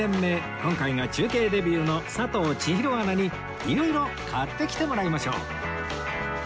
今回が中継デビューの佐藤ちひろアナに色々買ってきてもらいましょう